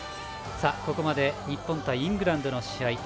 ここまで日本対イングランドの試合